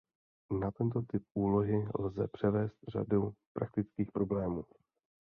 Na tento typ úlohy lze převést řadu praktických problémů.